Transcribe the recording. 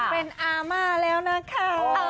เป็นอาม่าแล้วนะคะ